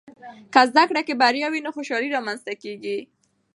که زده کړه کې بریا وي، نو خوشحالۍ رامنځته کېږي.